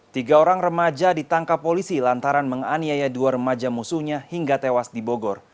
tiga orang remaja ditangkap polisi lantaran menganiaya dua remaja musuhnya hingga tewas di bogor